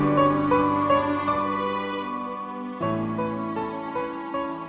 yang utama diye olsun